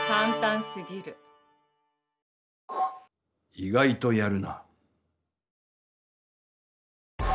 意外とやるな。